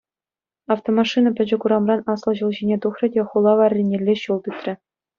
Автомашина пӗчӗк урамран аслӑ ҫул ҫине тухрӗ те хула варринелле ҫул тытрӗ.